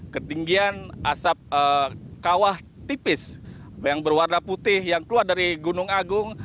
ketinggian asap kawah tipis yang berwarna putih yang keluar dari gunung agung